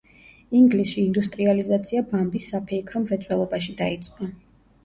ინგლისში ინდუსტრიალიზაცია ბამბის საფეიქრო მრეწველობაში დაიწყო.